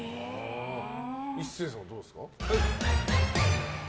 壱成さんはどうですか？